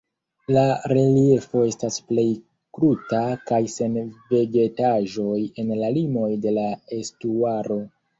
La reliefo estas plej kruta kaj sen vegetaĵoj en la limoj de la estuaro.